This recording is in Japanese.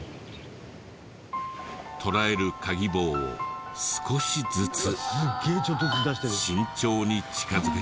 捕らえるカギ棒を少しずつ慎重に近づけていく。